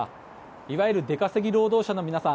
いわゆる出稼ぎ労働者の皆さん